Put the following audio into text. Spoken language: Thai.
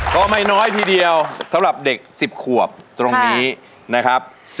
ก็ไม่น้อยทีเดียวสำหรับเด็ก๑๐ขวบตรงนี้นะครับ